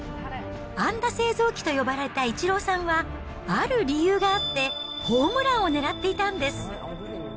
安打製造機と呼ばれたイチローさんは、ある理由があって、ホームランを狙っていたんです。